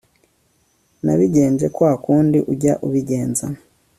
nabigenje nka kwa kundi ujya ubijyenza